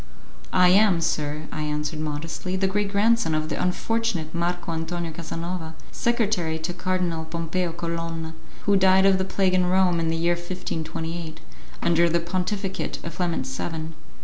"I am, sir," I answered modestly, "the great grandson of the unfortunate Marco Antonio Casanova, secretary to Cardinal Pompeo Colonna, who died of the plague in Rome, in the year 1528, under the pontificate of Clement VII."